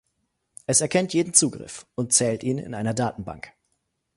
Es erkennt jeden Zugriff und zählt ihn in einer Datenbank.